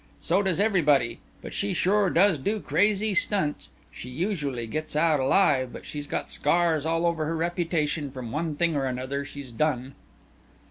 So does everybody. But she sure does do crazy stunts. She usually gets out alive, but she's got scars all over her reputation from one thing or another she's done."